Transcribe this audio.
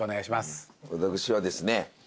私はですね